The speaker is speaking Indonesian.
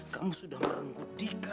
kamu sudah merenggu dika